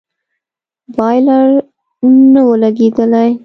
بايلر نه و لگېدلى.